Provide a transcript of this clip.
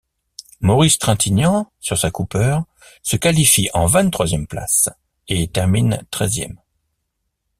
Maurice Trintignant, sur sa Cooper, se qualifie en vingt-troisième place et termine treizième.